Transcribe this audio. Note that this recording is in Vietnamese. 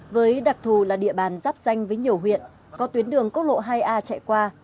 với đặc thù là địa bàn giáp danh với nhiều huyện có tuyến đường quốc lộ hai a chạy qua